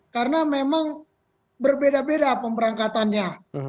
karena memang berbeda beda pemberangkatannya